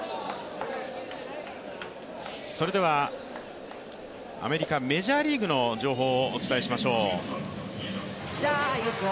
それではアメリカ、メジャーリーグの情報をお伝えしましょう。